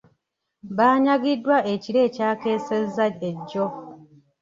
Baanyagiddwa ekiro ekyakeesezza ejjo.